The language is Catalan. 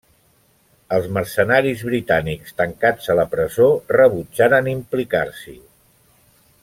Els mercenaris britànics tancats a la presó rebutjaren implicar-s'hi.